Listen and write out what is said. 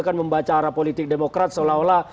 kan membaca arah politik demokrat seolah olah